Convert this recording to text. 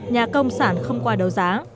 nhà công sản không qua đầu giá